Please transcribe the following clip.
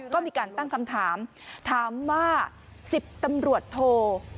ก็มีการตั้งคำถามถามว่า๑๐ตำรวจโท